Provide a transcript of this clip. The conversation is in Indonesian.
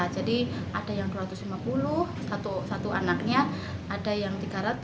jadi ada yang dua ratus lima puluh satu anaknya ada yang tiga ratus